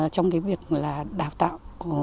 trong việc đào tạo